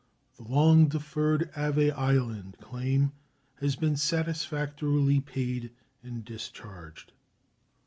The long deferred Aves Island claim has been satisfactorily paid and discharged.